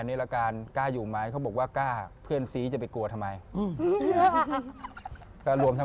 เพราะว่าช่วงเวลานั้นจากงานอยู่